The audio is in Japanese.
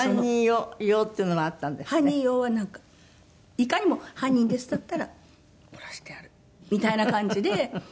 いかにも犯人ですだったら殺してやるみたいな感じで。